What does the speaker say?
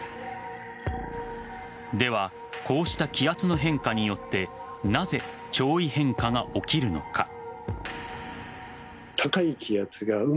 ではこうした気圧の変化によってなぜ潮位変化が起きるのか。